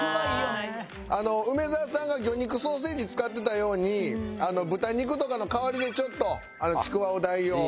あの梅沢さんが魚肉ソーセージ使ってたように豚肉とかの代わりでちょっとちくわを代用。